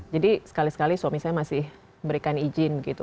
jadi sekali sekali suami saya masih memberikan izin gitu